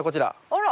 あら。